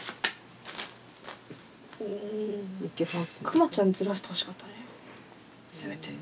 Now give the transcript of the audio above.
クマちゃんずらしてほしかったねせめて。